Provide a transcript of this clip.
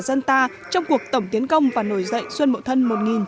dân ta trong cuộc tổng tiến công và nổi dạy xuân mậu thân một nghìn chín trăm sáu mươi tám